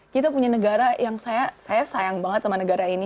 kita punya negara yang saya sayang banget sama negara ini